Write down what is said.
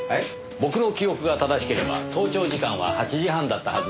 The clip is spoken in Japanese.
僕の記憶が正しければ登庁時間は８時半だったはずですがね。